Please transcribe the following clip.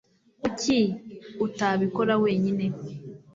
kuki utabikora wenyine